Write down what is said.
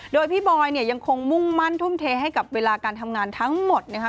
โดยพี่บอยเนี่ยยังคงมุ่งมั่นทุ่มเทให้กับเวลาการทำงานทั้งหมดนะคะ